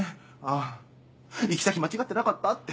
あ行き先間違ってなかったって。